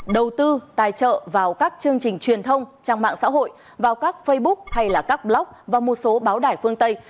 đầu tư tài trợ vào các chương trình truyền thông trang mạng xã hội vào các facebook hay là các blog và một số báo đài phương tây